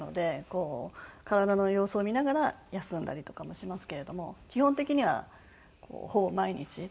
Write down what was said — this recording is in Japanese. こう体の様子を見ながら休んだりとかもしますけれども基本的にはほぼ毎日トレーニングはしてます。